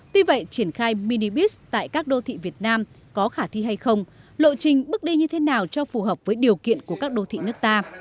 tuy vậy triển khai minibis tại các đô thị việt nam có khả thi hay không lộ trình bước đi như thế nào cho phù hợp với điều kiện của các đô thị nước ta